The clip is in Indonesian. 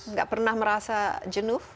nggak pernah merasa jenuf